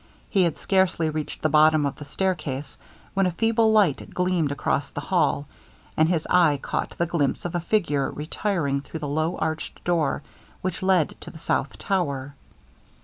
He had scarcely reached the bottom of the stair case, when a feeble light gleamed across the hall, and his eye caught the glimpse of a figure retiring through the low arched door which led to the south tower.